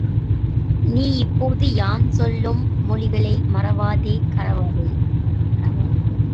நீ இப்போது யான் சொல்லும் மொழிகளை மறவாதே, கடவாதே.